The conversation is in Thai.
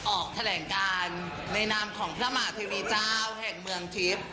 ออกแถลงการในนามของพระมหาเทวีเจ้าแห่งเมืองทิพย์